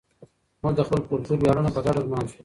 موږ د خپل کلتور ویاړونه په ګډه لمانځو.